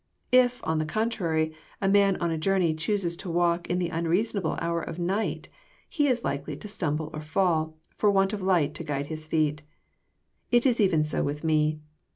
If, on the contrary, a man on a Journey chooses to walk in the unreasonable hour of night, he is likely to stumble or fall, for want of light to guide his feet. It is even so with Me.